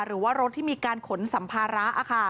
หรือว่ารถที่มีการขนสัมภาระ